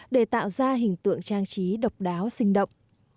để tạo ra hình tượng trang trí độc đáo sinh động